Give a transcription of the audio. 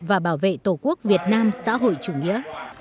và bảo vệ tổ quốc việt nam xã hội chủ nghĩa